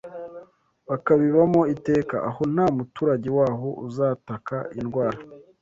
bakakibamo iteka;” aho “nta muturage waho uzataka indwara